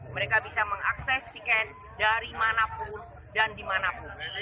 mereka bisa mengakses tiket dari manapun dan dimanapun